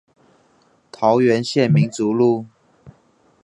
桃園縣民族路